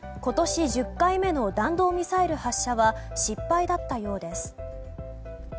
今年１０回目の弾道ミサイル発射は失敗だったようです。